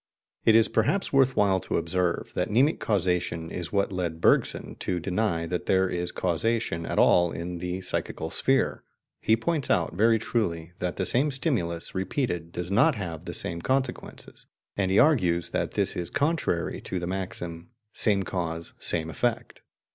It is perhaps worth while to observe that mnemic causation is what led Bergson to deny that there is causation at all in the psychical sphere. He points out, very truly, that the same stimulus, repeated, does not have the same consequences, and he argues that this is contrary to the maxim, "same cause, same effect."